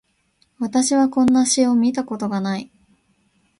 私はこんな詩を見たことがない